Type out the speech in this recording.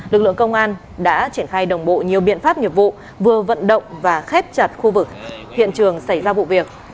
lực lượng công an đã triển khai đồng bộ nhiều biện pháp nghiệp vụ vừa vận động và khép chặt khu vực hiện trường xảy ra vụ việc